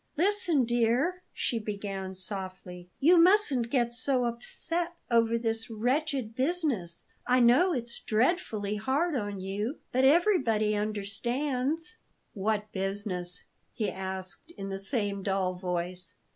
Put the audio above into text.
"Listen, dear," she began softly; "you mustn't get so upset over this wretched business. I know it's dreadfully hard on you, but everybody understands." "What business?" he asked in the same dull voice.